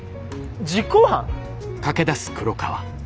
実行犯？